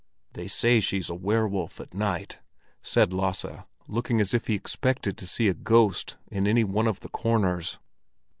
"They say she's a were wolf at night," said Lasse, looking as if he expected to see a ghost in one of the corners.